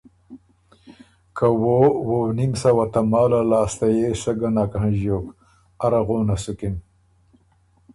که وو ووؤنیم سوه تماله لاسته يې سۀ ګۀ نک هنݫیوک، اره غونه سُکِن۔